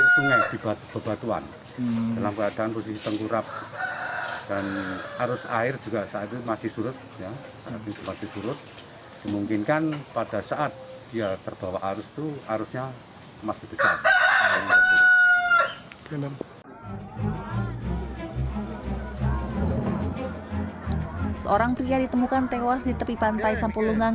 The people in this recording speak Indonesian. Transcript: seorang pria ditemukan tewas di tepi pantai sampulungang